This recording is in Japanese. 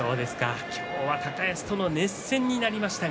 今日は高安との熱戦になりました。